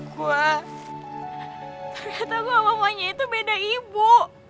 gue ternyata gue sama fanya itu beda ibu